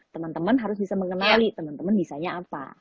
temen temen harus bisa mengenali temen temen bisanya apa